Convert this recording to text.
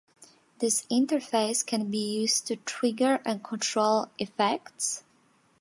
This interface can be used to trigger and control effects.